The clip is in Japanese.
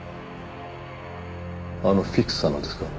あのフィクサーのですか？